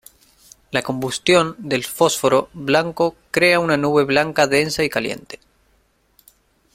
La combustión del fósforo blanco crea una nube blanca densa y caliente.